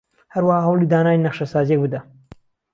هەروەها هەوڵی دانانی نەخشەسازییەک بدە